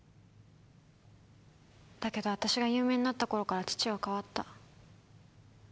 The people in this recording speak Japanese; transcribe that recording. だけど私が有名になった頃から父は変わった。